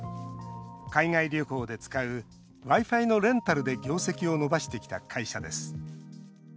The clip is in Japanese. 海外旅行で使うＷｉ‐Ｆｉのレンタルで業績を伸ばしてきた会社です。